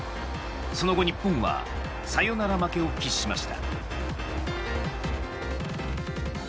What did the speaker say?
その後、日本はサヨナラ負けを喫しました。